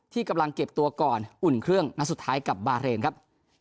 กำลังเก็บตัวก่อนอุ่นเครื่องนัดสุดท้ายกับบาเรนครับ